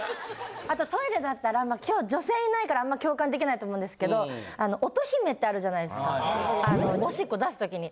あとトイレだったら今日女性いないからあんま共感できないと思うんですけど音姫ってあるじゃないですかおしっこ出す時に。